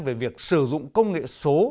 về việc sử dụng công nghệ số